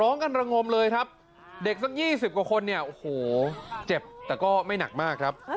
ร้องกันระงมเลยครับเด็กสัก๒๐กว่าคนเนี่ยโอ้โหเจ็บแต่ก็ไม่หนักมากครับ